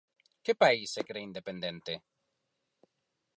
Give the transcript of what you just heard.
Que país se cre independente?